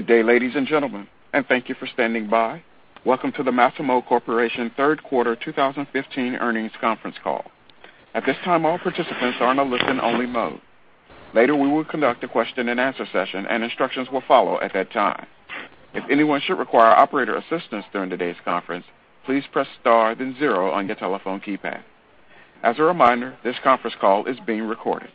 Good day, ladies and gentlemen, and thank you for standing by. Welcome to the Masimo Corporation third quarter 2015 earnings conference call. At this time, all participants are in a listen-only mode. Later, we will conduct a question-and-answer session, and instructions will follow at that time. If anyone should require operator assistance during today's conference, please press star then zero on your telephone keypad. As a reminder, this conference call is being recorded.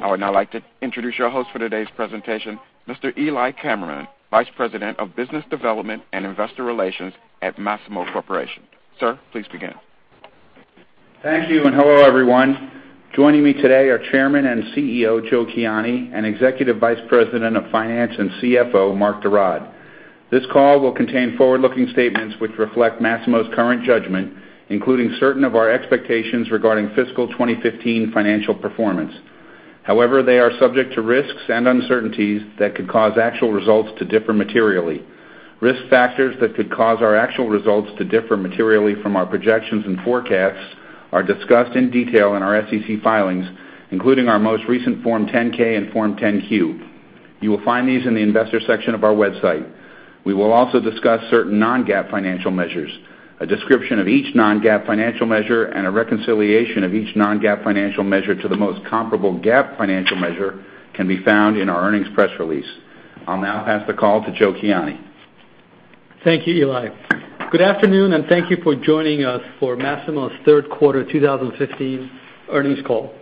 I would now like to introduce your host for today's presentation, Mr. Eli Kammerman, Vice President of Business Development and Investor Relations at Masimo Corporation. Sir, please begin. Thank you, hello, everyone. Joining me today are Chairman and CEO, Joe Kiani, and Executive Vice President of Finance and CFO, Mark de Raad. This call will contain forward-looking statements which reflect Masimo's current judgment, including certain of our expectations regarding fiscal 2015 financial performance. However, they are subject to risks and uncertainties that could cause actual results to differ materially. Risk factors that could cause our actual results to differ materially from our projections and forecasts are discussed in detail in our SEC filings, including our most recent Form 10-K and Form 10-Q. You will find these in the investor section of our website. We will also discuss certain non-GAAP financial measures. A description of each non-GAAP financial measure and a reconciliation of each non-GAAP financial measure to the most comparable GAAP financial measure can be found in our earnings press release. I'll now pass the call to Joe Kiani. Thank you, Eli. Good afternoon, thank you for joining us for Masimo's third quarter 2015 earnings call.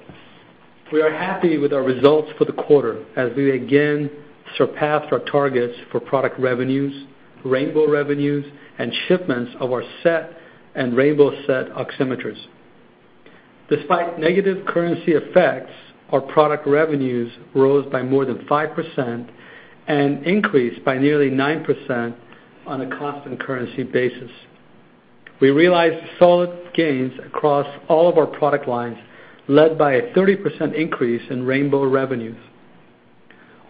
We are happy with our results for the quarter as we again surpassed our targets for product revenues, Rainbow revenues, and shipments of our SET and Rainbow SET oximeters. Despite negative currency effects, our product revenues rose by more than 5% and increased by nearly 9% on a constant currency basis. We realized solid gains across all of our product lines, led by a 30% increase in Rainbow revenues.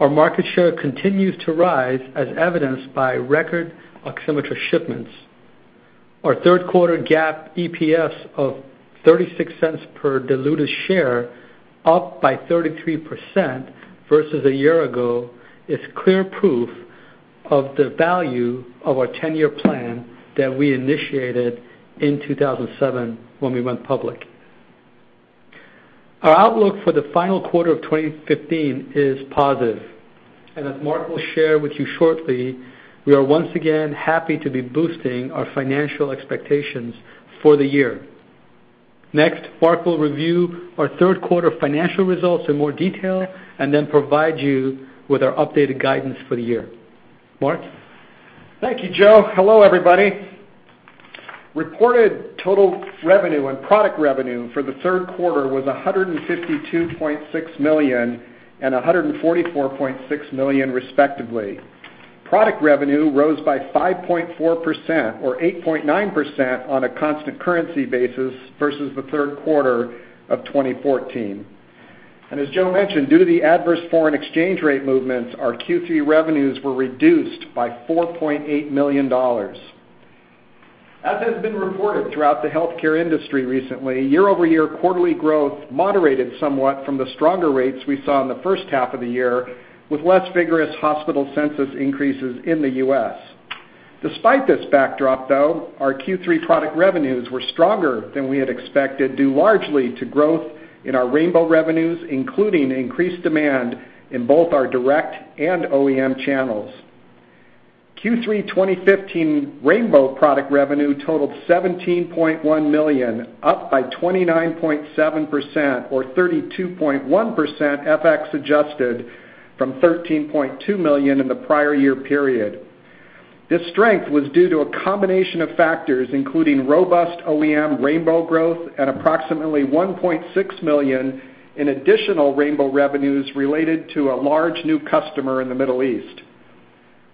Our market share continues to rise as evidenced by record oximeter shipments. Our third quarter GAAP EPS of $0.36 per diluted share, up by 33% versus a year ago, is clear proof of the value of our 10-year plan that we initiated in 2007 when we went public. Our outlook for the final quarter of 2015 is positive, and as Mark will share with you shortly, we are once again happy to be boosting our financial expectations for the year. Next, Mark will review our third quarter financial results in more detail and then provide you with our updated guidance for the year. Mark? Thank you, Joe. Hello, everybody. Reported total revenue and product revenue for the third quarter was $152.6 million and $144.6 million respectively. Product revenue rose by 5.4% or 8.9% on a constant currency basis versus the third quarter of 2014. As Joe mentioned, due to the adverse foreign exchange rate movements, our Q3 revenues were reduced by $4.8 million. As has been reported throughout the healthcare industry recently, year-over-year quarterly growth moderated somewhat from the stronger rates we saw in the first half of the year, with less vigorous hospital census increases in the U.S. Despite this backdrop, though, our Q3 product revenues were stronger than we had expected, due largely to growth in our Rainbow revenues, including increased demand in both our direct and OEM channels. Q3 2015 Rainbow product revenue totaled $17.1 million, up by 29.7% or 32.1% FX-adjusted from $13.2 million in the prior year period. This strength was due to a combination of factors, including robust OEM Rainbow growth and approximately $1.6 million in additional Rainbow revenues related to a large new customer in the Middle East.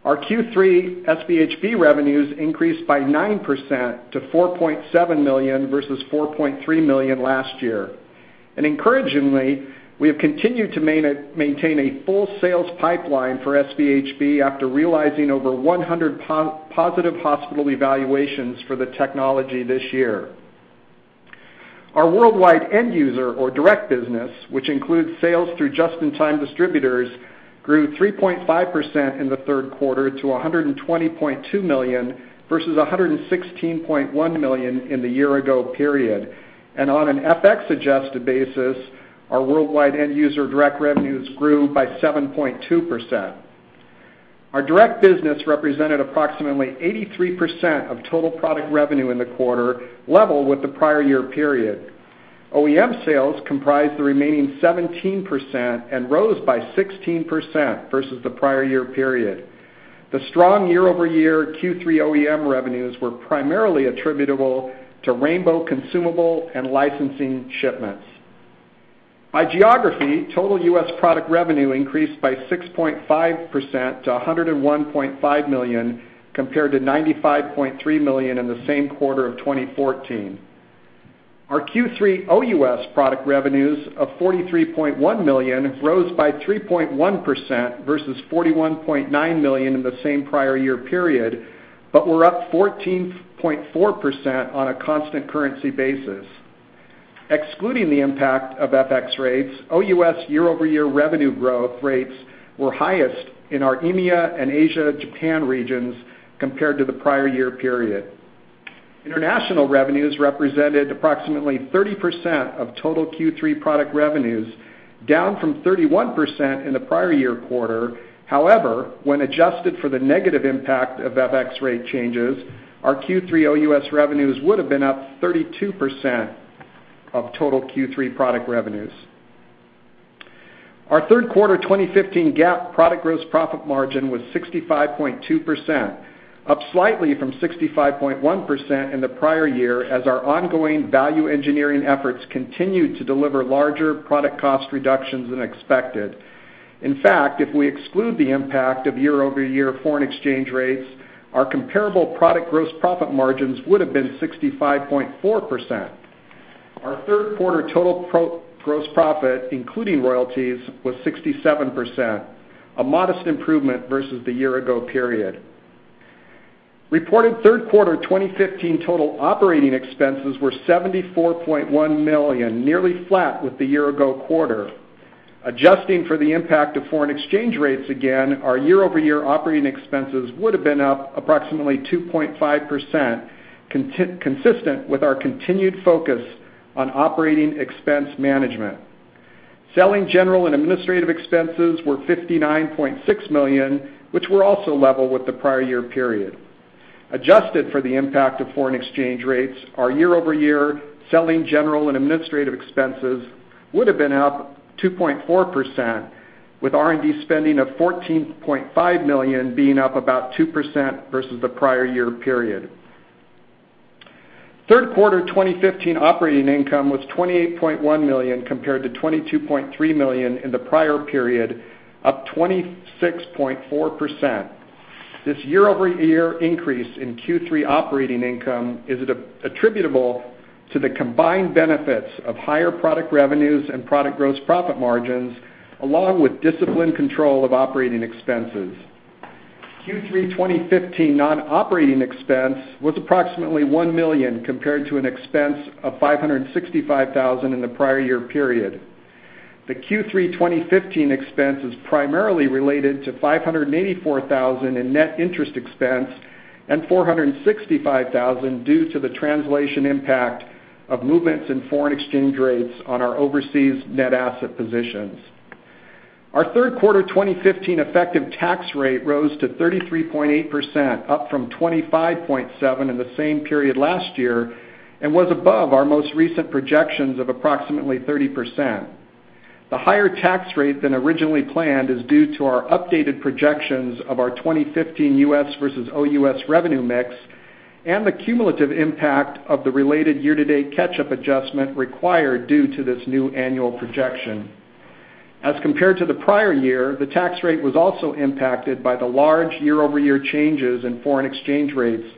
Our Q3 SpHb revenues increased by 9% to $4.7 million versus $4.3 million last year. Encouragingly, we have continued to maintain a full sales pipeline for SpHb after realizing over 100 positive hospital evaluations for the technology this year. Our worldwide end user or direct business, which includes sales through just-in-time distributors, grew 3.5% in the third quarter to $120.2 million, versus $116.1 million in the year ago period. On an FX-adjusted basis, our worldwide end user direct revenues grew by 7.2%. Our direct business represented approximately 83% of total product revenue in the quarter, level with the prior year period. OEM sales comprised the remaining 17% and rose by 16% versus the prior year period. The strong year-over-year Q3 OEM revenues were primarily attributable to Rainbow consumable and licensing shipments. By geography, total U.S. product revenue increased by 6.5% to $101.5 million compared to $95.3 million in the same quarter of 2014. Our Q3 OUS product revenues of $43.1 million rose by 3.1% versus $41.9 million in the same prior year period, but were up 14.4% on a constant currency basis. Excluding the impact of FX rates, OUS year-over-year revenue growth rates were highest in our EMEA and Asia Japan regions compared to the prior year period. International revenues represented approximately 30% of total Q3 product revenues, down from 31% in the prior year quarter. However, when adjusted for the negative impact of FX rate changes, our Q3 OUS revenues would have been up 32% of total Q3 product revenues. Our third quarter 2015 GAAP product gross profit margin was 65.2%, up slightly from 65.1% in the prior year as our ongoing value engineering efforts continued to deliver larger product cost reductions than expected. In fact, if we exclude the impact of year-over-year foreign exchange rates, our comparable product gross profit margins would have been 65.4%. Our third quarter total gross profit, including royalties, was 67%, a modest improvement versus the year ago period. Reported third quarter 2015 total operating expenses were $74.1 million, nearly flat with the year ago quarter. Adjusting for the impact of foreign exchange rates again, our year-over-year operating expenses would have been up approximately 2.5%, consistent with our continued focus on operating expense management. Selling, General and Administrative expenses were $59.6 million, which were also level with the prior year period. Adjusted for the impact of foreign exchange rates, our year-over-year Selling, General and Administrative expenses would have been up 2.4%, with R&D spending of $14.5 million being up about 2% versus the prior year period. Third quarter 2015 operating income was $28.1 million, compared to $22.3 million in the prior period, up 26.4%. This year-over-year increase in Q3 operating income is attributable to the combined benefits of higher product revenues and product gross profit margins, along with disciplined control of operating expenses. Q3 2015 non-operating expense was approximately $1 million, compared to an expense of $565,000 in the prior year period. The Q3 2015 expense is primarily related to $584,000 in net interest expense and $465,000 due to the translation impact of movements in foreign exchange rates on our overseas net asset positions. Our third quarter 2015 effective tax rate rose to 33.8%, up from 25.7% in the same period last year and was above our most recent projections of approximately 30%. The higher tax rate than originally planned is due to our updated projections of our 2015 U.S. versus OUS revenue mix and the cumulative impact of the related year-to-date catch-up adjustment required due to this new annual projection. As compared to the prior year, the tax rate was also impacted by the large year-over-year changes in foreign exchange rates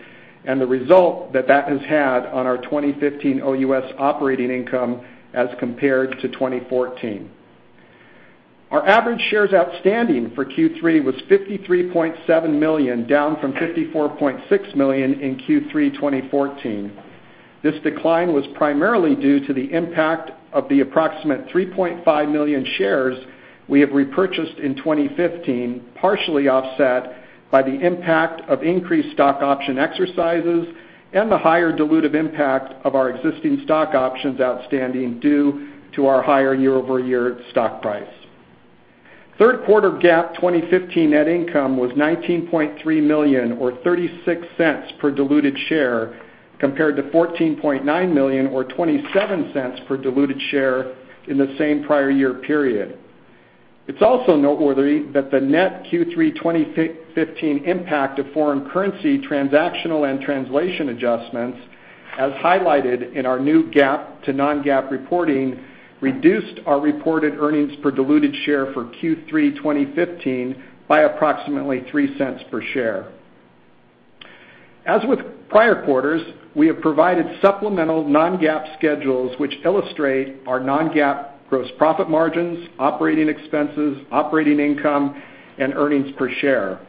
and the result that that has had on our 2015 OUS operating income as compared to 2014. Our average shares outstanding for Q3 was 53.7 million, down from 54.6 million in Q3 2014. This decline was primarily due to the impact of the approximate 3.5 million shares we have repurchased in 2015, partially offset by the impact of increased stock option exercises and the higher dilutive impact of our existing stock options outstanding due to our higher year-over-year stock price. Third quarter GAAP 2015 net income was $19.3 million, or $0.36 per diluted share, compared to $14.9 million or $0.27 per diluted share in the same prior year period. It's also noteworthy that the net Q3 2015 impact of foreign currency transactional and translation adjustments, as highlighted in our new GAAP to non-GAAP reporting, reduced our reported earnings per diluted share for Q3 2015 by approximately $0.03 per share. As with prior quarters, we have provided supplemental non-GAAP schedules which illustrate our non-GAAP gross profit margins, operating expenses, operating income, and earnings per share.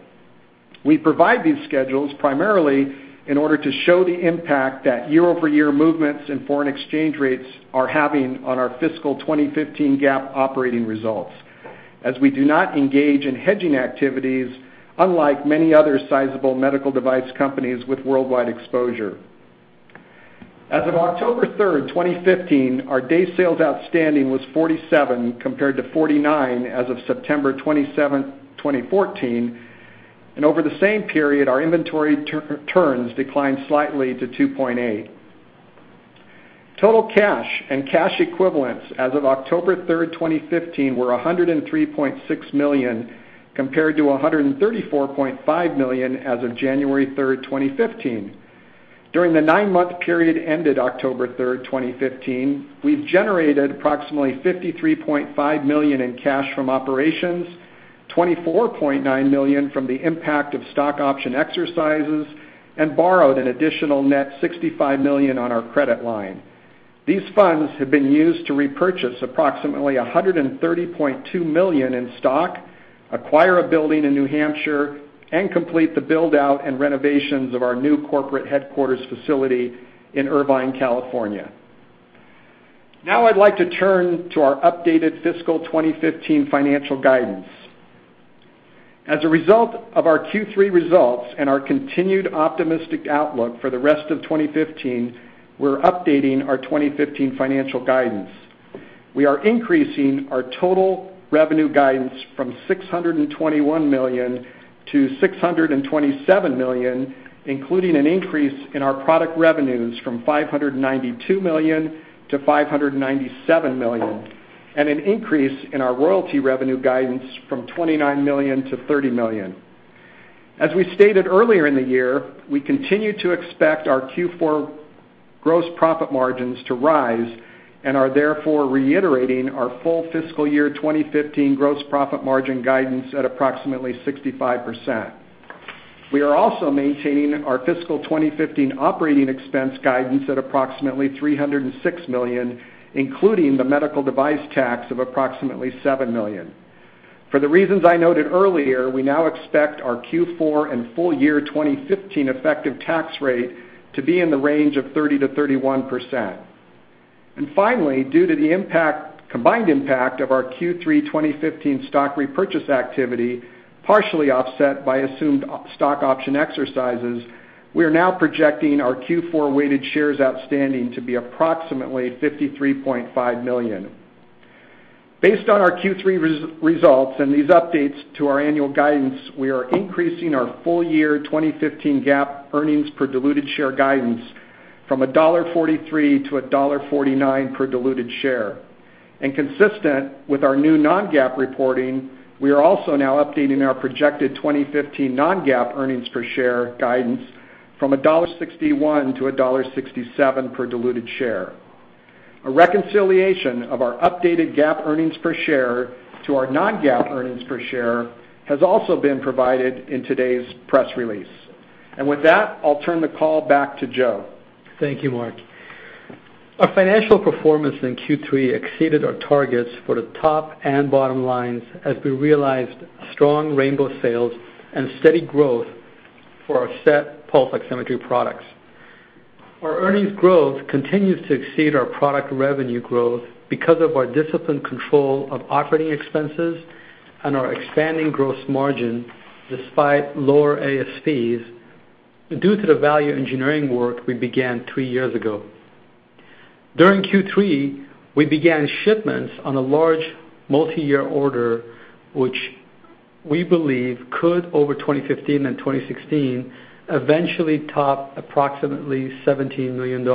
We provide these schedules primarily in order to show the impact that year-over-year movements in foreign exchange rates are having on our fiscal 2015 GAAP operating results, as we do not engage in hedging activities, unlike many other sizable medical device companies with worldwide exposure. As of October 3rd, 2015, our day sales outstanding was 47 compared to 49 as of September 27th, 2014, and over the same period, our inventory turns declined slightly to 2.8. Total cash and cash equivalents as of October 3rd, 2015, were $103.6 million, compared to $134.5 million as of January 3rd, 2015. During the nine-month period ended October 3rd, 2015, we've generated approximately $53.5 million in cash from operations, $24.9 million from the impact of stock option exercises, and borrowed an additional net $65 million on our credit line. These funds have been used to repurchase approximately $130.2 million in stock, acquire a building in New Hampshire, and complete the build-out and renovations of our new corporate headquarters facility in Irvine, California. I'd like to turn to our updated fiscal 2015 financial guidance. As a result of our Q3 results and our continued optimistic outlook for the rest of 2015, we're updating our 2015 financial guidance. We are increasing our total revenue guidance from $621 million to $627 million, including an increase in our product revenues from $592 million to $597 million, and an increase in our royalty revenue guidance from $29 million to $30 million. As we stated earlier in the year, we continue to expect our Q4 gross profit margins to rise, and are therefore reiterating our full fiscal year 2015 gross profit margin guidance at approximately 65%. We are also maintaining our fiscal 2015 operating expense guidance at approximately $306 million, including the Medical Device Tax of approximately $7 million. For the reasons I noted earlier, we now expect our Q4 and full year 2015 effective tax rate to be in the range of 30%-31%. Finally, due to the combined impact of our Q3 2015 stock repurchase activity, partially offset by assumed stock option exercises, we are now projecting our Q4 weighted shares outstanding to be approximately 53.5 million. Based on our Q3 results and these updates to our annual guidance, we are increasing our full year 2015 GAAP earnings per diluted share guidance from $1.43-$1.49 per diluted share. Consistent with our new non-GAAP reporting, we are also now updating our projected 2015 non-GAAP earnings per share guidance from $1.61-$1.67 per diluted share. A reconciliation of our updated GAAP earnings per share to our non-GAAP earnings per share has also been provided in today's press release. With that, I'll turn the call back to Joe. Thank you, Mark. Our financial performance in Q3 exceeded our targets for the top and bottom lines, as we realized strong Rainbow sales and steady growth for our SET pulse oximetry products. Our earnings growth continues to exceed our product revenue growth because of our disciplined control of operating expenses and our expanding gross margin, despite lower ASPs, due to the value engineering work we began three years ago. During Q3, we began shipments on a large multi-year order, which we believe could, over 2015 and 2016, eventually top approximately $17 million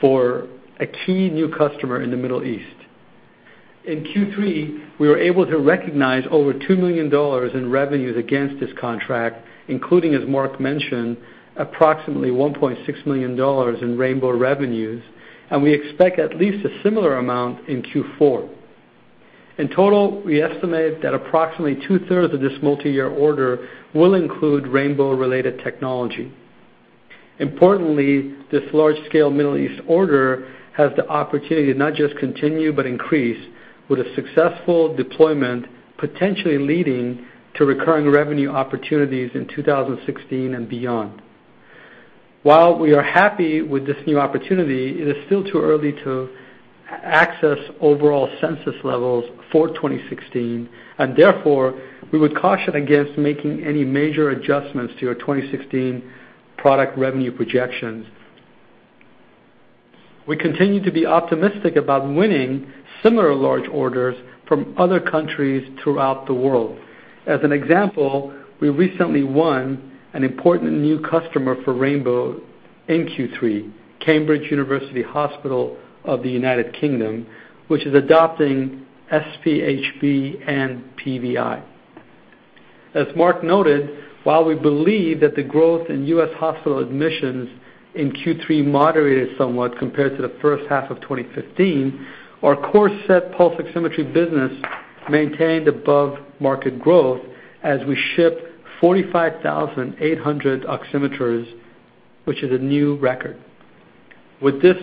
for a key new customer in the Middle East. In Q3, we were able to recognize over $2 million in revenues against this contract, including, as Mark mentioned, approximately $1.6 million in Rainbow revenues, and we expect at least a similar amount in Q4. In total, we estimate that approximately two-thirds of this multi-year order will include Rainbow-related technology. Importantly, this large-scale Middle East order has the opportunity to not just continue, but increase, with a successful deployment, potentially leading to recurring revenue opportunities in 2016 and beyond. While we are happy with this new opportunity, it is still too early to access overall census levels for 2016. Therefore, we would caution against making any major adjustments to your 2016 product revenue projections. We continue to be optimistic about winning similar large orders from other countries throughout the world. As an example, we recently won an important new customer for Rainbow in Q3, Cambridge University Hospitals of the U.K., which is adopting SpHb and PVi. As Mark noted, while we believe that the growth in U.S. hospital admissions in Q3 moderated somewhat compared to the first half of 2015, our core SET pulse oximetry business maintained above market growth as we shipped 45,800 oximeters, which is a new record. With this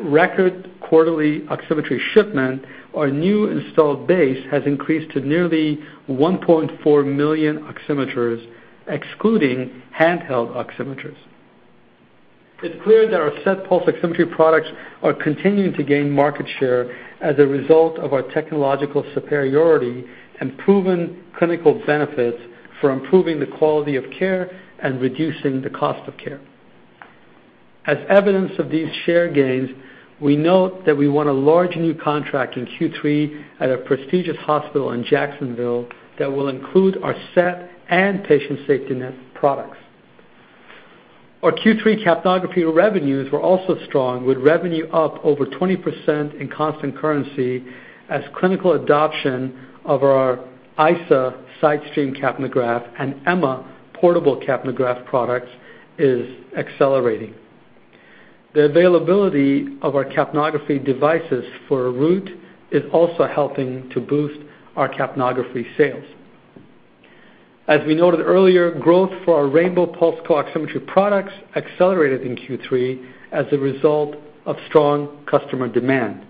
record quarterly oximetry shipment, our new installed base has increased to nearly 1.4 million oximeters, excluding handheld oximeters. It is clear that our SET pulse oximetry products are continuing to gain market share as a result of our technological superiority and proven clinical benefits for improving the quality of care and reducing the cost of care. As evidence of these share gains, we note that we won a large new contract in Q3 at a prestigious hospital in Jacksonville that will include our SET and Patient SafetyNet products. Our Q3 capnography revenues were also strong, with revenue up over 20% in constant currency as clinical adoption of our ISA sidestream capnograph and EMMA portable capnograph products is accelerating. The availability of our capnography devices for Root is also helping to boost our capnography sales. As we noted earlier, growth for our Rainbow pulse co-oximetry products accelerated in Q3 as a result of strong customer demand.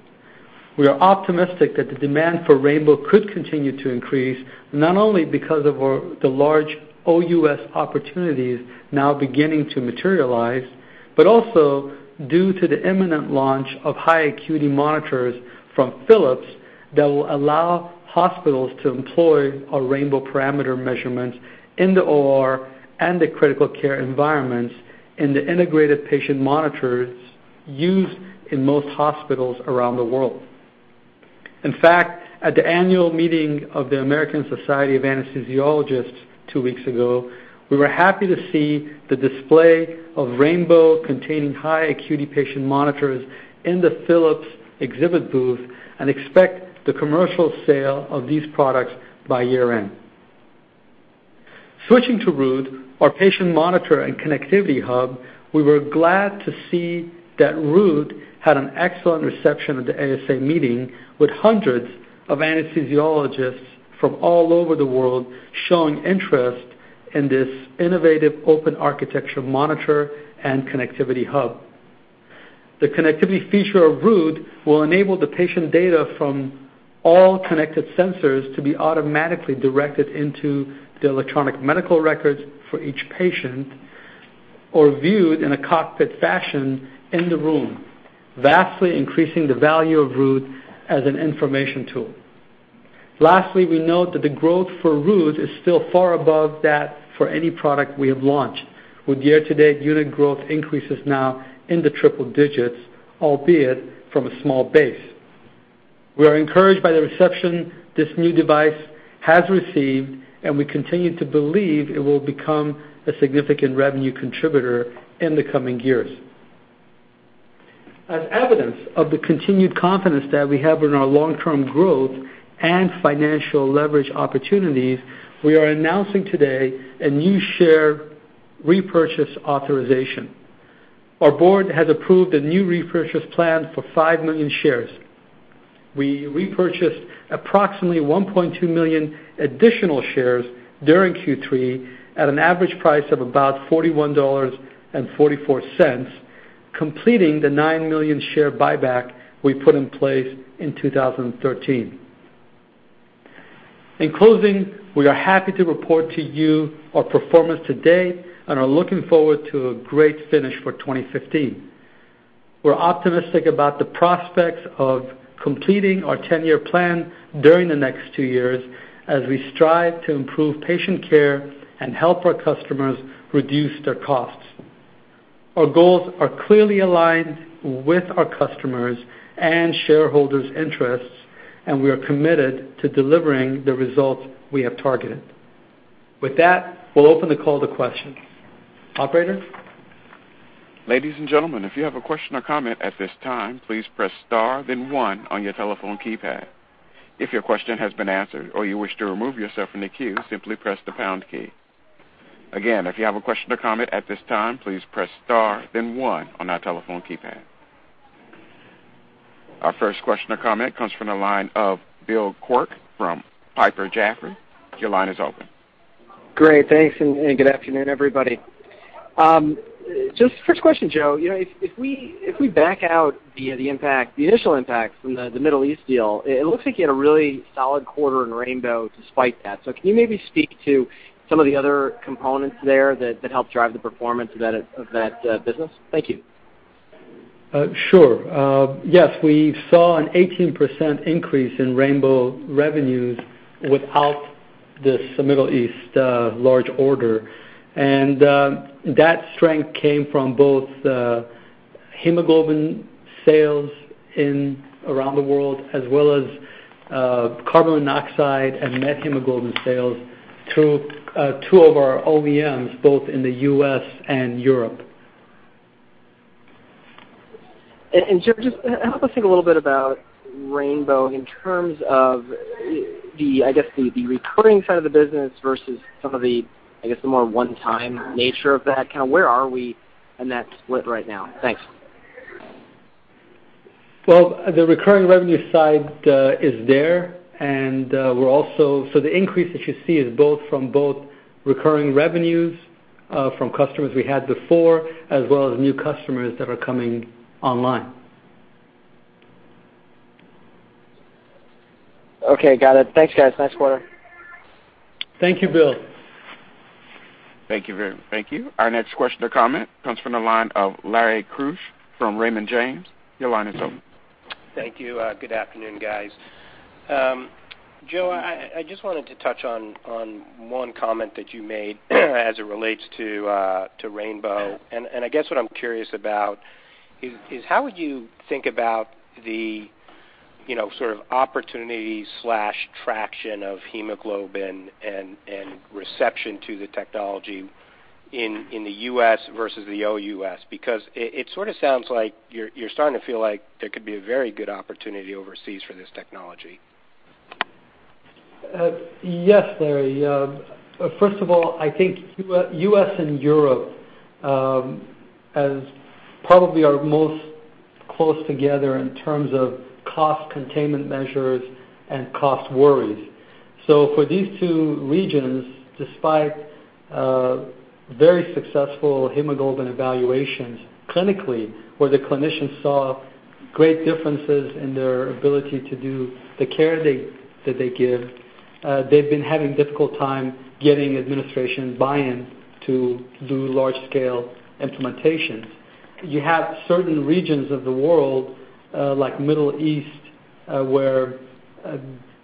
We are optimistic that the demand for Rainbow could continue to increase, not only because of the large OUS opportunities now beginning to materialize, but also due to the imminent launch of high acuity monitors from Philips that will allow hospitals to employ our Rainbow parameter measurements in the OR and the critical care environments in the integrated patient monitors used in most hospitals around the world. In fact, at the annual meeting of the American Society of Anesthesiologists two weeks ago, we were happy to see the display of Rainbow-containing high acuity patient monitors in the Philips exhibit booth and expect the commercial sale of these products by year-end. Switching to Root, our patient monitor and connectivity hub, we were glad to see that Root had an excellent reception at the ASA meeting, with hundreds of anesthesiologists from all over the world showing interest in this innovative open architecture monitor and connectivity hub. The connectivity feature of Root will enable the patient data from all connected sensors to be automatically directed into the electronic medical records for each patient or viewed in a cockpit fashion in the room, vastly increasing the value of Root as an information tool. Lastly, we note that the growth for Root is still far above that for any product we have launched, with year-to-date unit growth increases now in the triple digits, albeit from a small base. We are encouraged by the reception this new device has received, and we continue to believe it will become a significant revenue contributor in the coming years. As evidence of the continued confidence that we have in our long-term growth and financial leverage opportunities, we are announcing today a new share repurchase authorization. Our board has approved a new repurchase plan for five million shares. We repurchased approximately 1.2 million additional shares during Q3 at an average price of about $41.44, completing the nine million share buyback we put in place in 2013. In closing, we are happy to report to you our performance today and are looking forward to a great finish for 2015. We're optimistic about the prospects of completing our 10-year plan during the next two years as we strive to improve patient care and help our customers reduce their costs. Our goals are clearly aligned with our customers' and shareholders' interests, and we are committed to delivering the results we have targeted. With that, we'll open the call to questions. Operator? Ladies and gentlemen, if you have a question or comment at this time, please press star then one on your telephone keypad. If your question has been answered or you wish to remove yourself from the queue, simply press the pound key. Again, if you have a question or comment at this time, please press star then one on our telephone keypad. Our first question or comment comes from the line of Bill Quirk from Piper Jaffray. Your line is open. Great. Thanks, good afternoon, everybody. Just first question, Joe. If we back out the initial impact from the Middle East deal, it looks like you had a really solid quarter in Rainbow despite that. Can you maybe speak to some of the other components there that helped drive the performance of that business? Thank you. Sure. Yes, we saw an 18% increase in Rainbow revenues without this Middle East large order, that strength came from both hemoglobin sales around the world as well as carbon monoxide and methemoglobin sales through two of our OEMs, both in the U.S. and Europe. Joe, just help us think a little bit about Rainbow in terms of the recurring side of the business versus some of the more one-time nature of that. Where are we in that split right now? Thanks. Well, the recurring revenue side is there. The increase that you see is from both recurring revenues from customers we had before as well as new customers that are coming online. Okay, got it. Thanks, guys. Nice quarter. Thank you, Bill. Thank you. Our next question or comment comes from the line of Larry Keusch from Raymond James. Your line is open. Thank you. Good afternoon, guys. Joe, I just wanted to touch on one comment that you made as it relates to Rainbow. I guess what I'm curious about is how would you think about the sort of opportunity/traction of hemoglobin and reception to the technology in the U.S. versus the OUS? It sort of sounds like you're starting to feel like there could be a very good opportunity overseas for this technology. Yes, Larry. First of all, I think U.S. and Europe probably are most close together in terms of cost containment measures and cost worries. For these two regions, despite very successful hemoglobin evaluations clinically, where the clinicians saw great differences in their ability to do the care that they give, they've been having difficult time getting administration buy-in to do large-scale implementations. You have certain regions of the world, like Middle East, where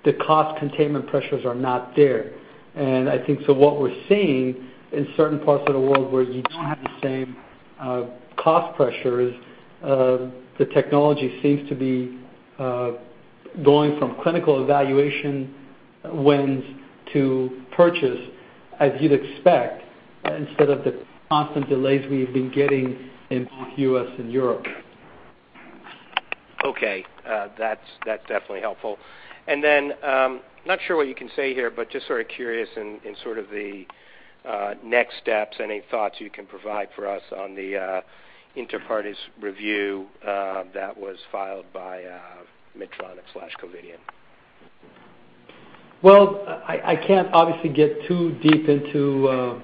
the cost containment pressures are not there. What we're seeing in certain parts of the world where you don't have the same cost pressures, the technology seems to be going from clinical evaluation wins to purchase, as you'd expect, instead of the constant delays we've been getting in both U.S. and Europe. Okay. That's definitely helpful. Not sure what you can say here, but just sort of curious in sort of the next steps, any thoughts you can provide for us on the inter partes review that was filed by Medtronic/Covidien. I can't obviously get too deep into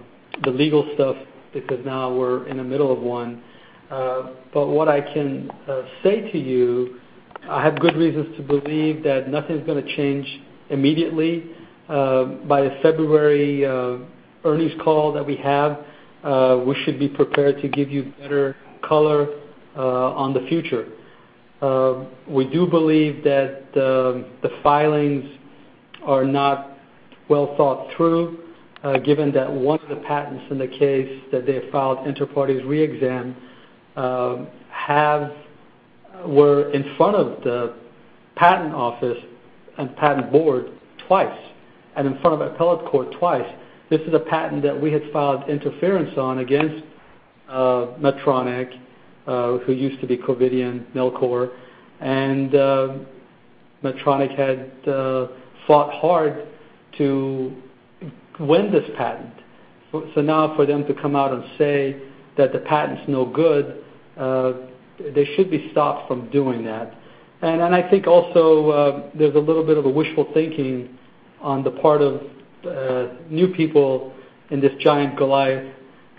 the legal stuff because now we're in the middle of one. What I can say to you, I have good reasons to believe that nothing's going to change immediately. By the February earnings call that we have, we should be prepared to give you better color on the future. We do believe that the filings are not well thought through, given that one of the patents in the case that they have filed inter partes reexamination were in front of the patent office and patent board twice, and in front of appellate court twice. This is a patent that we had filed interference on against Medtronic, who used to be Covidien, Nellcor, and Medtronic had fought hard to win this patent. Now for them to come out and say that the patent's no good, they should be stopped from doing that. I think also, there's a little bit of a wishful thinking on the part of new people in this giant Goliath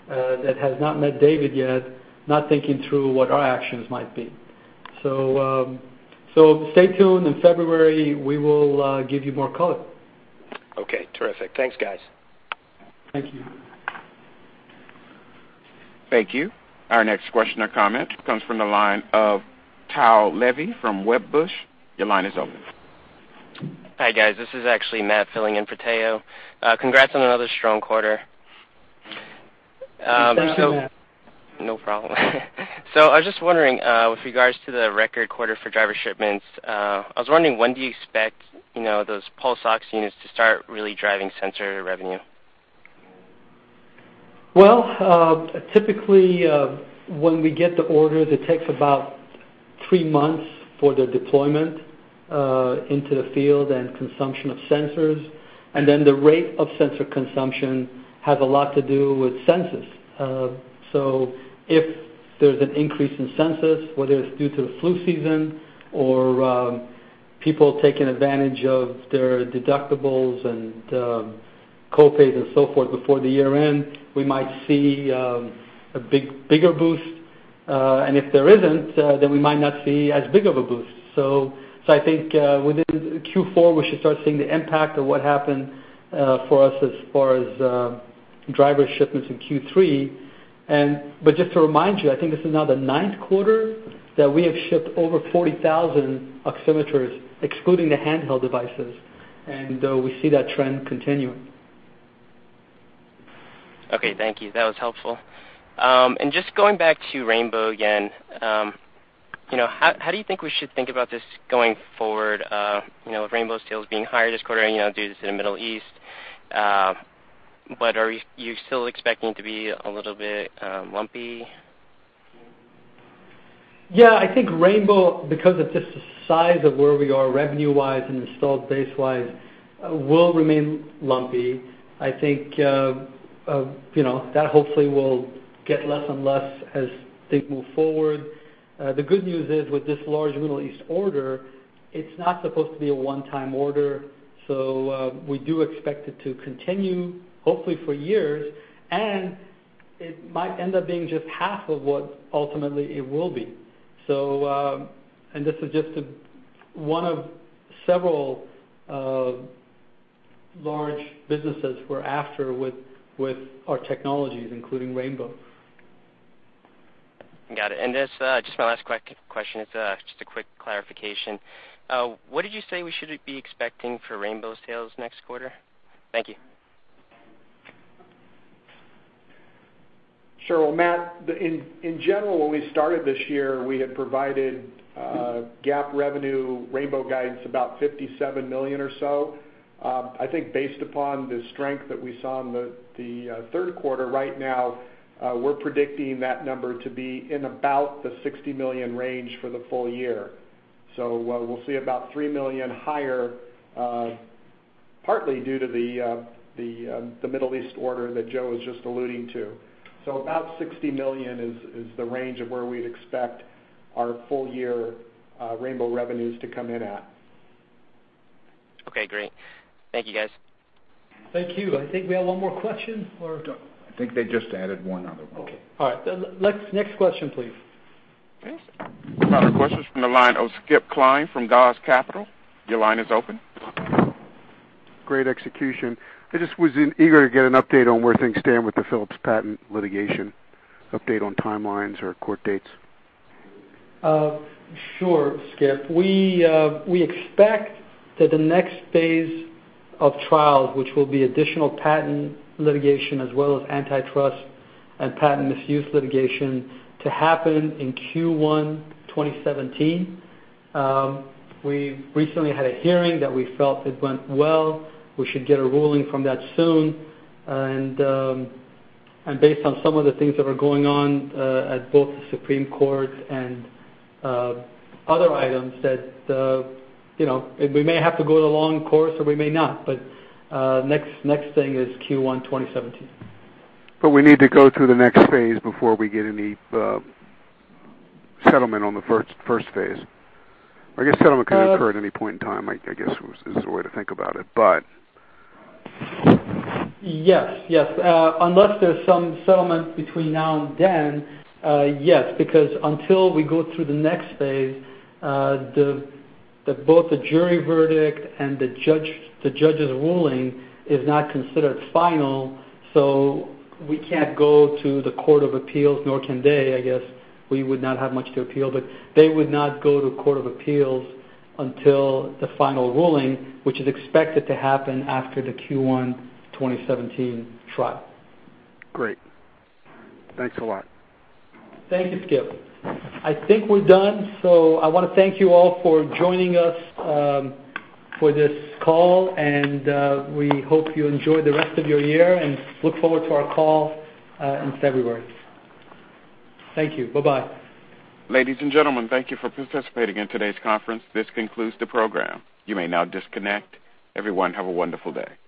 that has not met David yet, not thinking through what our actions might be. Stay tuned. In February, we will give you more color. Okay, terrific. Thanks, guys. Thank you. Thank you. Our next question or comment comes from the line of Tao Levy from Wedbush. Your line is open. Hi, guys. This is actually Matt filling in for Tao. Congrats on another strong quarter. Thanks for that. No problem. I was just wondering, with regards to the record quarter for driver shipments, I was wondering, when do you expect those pulse ox units to start really driving sensor revenue? Well, typically, when we get the order, it takes about three months for the deployment into the field and consumption of sensors. The rate of sensor consumption has a lot to do with census. If there's an increase in census, whether it's due to the flu season or people taking advantage of their deductibles and co-pays and so forth before the year-end, we might see a bigger boost. If there isn't, then we might not see as big of a boost. I think within Q4, we should start seeing the impact of what happened for us as far as driver shipments in Q3. Just to remind you, I think this is now the ninth quarter that we have shipped over 40,000 oximeters, excluding the handheld devices. We see that trend continuing. Okay, thank you. That was helpful. Just going back to Rainbow again, how do you think we should think about this going forward, with Rainbow sales being higher this quarter due to the Middle East. Are you still expecting to be a little bit lumpy? Yeah, I think Rainbow, because of just the size of where we are revenue-wise and installed base-wise, will remain lumpy. I think that hopefully will get less and less as things move forward. The good news is with this large Middle East order, it's not supposed to be a one-time order, so we do expect it to continue, hopefully for years, and it might end up being just half of what ultimately it will be. This is just one of several large businesses we're after with our technologies, including Rainbow. Got it. Just my last question. It's just a quick clarification. What did you say we should be expecting for Rainbow's sales next quarter? Thank you. Sure. Well, Matt, in general, when we started this year, we had provided GAAP revenue Rainbow guidance about $57 million or so. I think based upon the strength that we saw in the third quarter, right now, we're predicting that number to be in about the $60 million range for the full year. We'll see about $3 million higher, partly due to the Middle East order that Joe was just alluding to. About $60 million is the range of where we'd expect Our full year Rainbow revenues to come in at. Okay, great. Thank you, guys. Thank you. I think we have one more question. I think they just added one other one. Okay. All right. Next question, please. Yes. Our next question is from the line of Skip Klein from Gauss Capital. Your line is open. Great execution. I just was eager to get an update on where things stand with the Philips patent litigation, update on timelines or court dates. Sure, Skip. We expect that the next phase of trials, which will be additional patent litigation as well as antitrust and patent misuse litigation, to happen in Q1 2017. We recently had a hearing that we felt it went well. We should get a ruling from that soon. Based on some of the things that are going on at both the Supreme Courts and other items, we may have to go the long course or we may not, next thing is Q1 2017. We need to go through the next phase before we get any settlement on the first phase. I guess settlement could occur at any point in time, I guess is the way to think about it. Yes. Unless there's some settlement between now and then, yes, because until we go through the next phase, both the jury verdict and the judge's ruling is not considered final, so we can't go to the court of appeals, nor can they, I guess. We would not have much to appeal, but they would not go to a court of appeals until the final ruling, which is expected to happen after the Q1 2017 trial. Great. Thanks a lot. Thank you, Skip. I think we're done. I want to thank you all for joining us for this call, and we hope you enjoy the rest of your year and look forward to our call in February. Thank you. Bye-bye. Ladies and gentlemen, thank you for participating in today's conference. This concludes the program. You may now disconnect. Everyone, have a wonderful day.